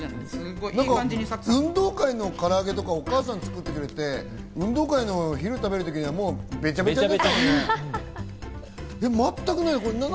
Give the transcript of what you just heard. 運動会のからあげとかお母さんが作ってくれて、運動会で昼食べる時には、べちゃべちゃでしたもんね。